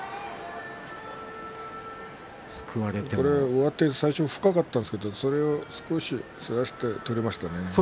上手は最初、深かったんですがそれを少しずらして取りましたね